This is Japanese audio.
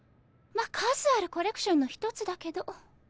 まっ数あるコレクションの一つだけど。